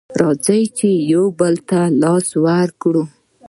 راځئ چې يو بل ته لاس ورکړو